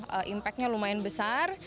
ini memang impact nya lumayan besar